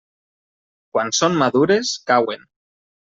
Quan són madures, cauen.